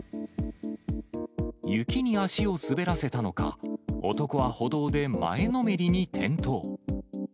雪に足を滑らせたのか、男は歩道で前のめりに転倒。